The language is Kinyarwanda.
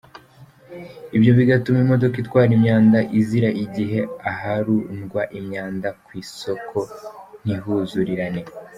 Ibyo bigatuma imodoka itwara imyanda izira igihe aharundwa imyanda ku isoko ntihuzurirane.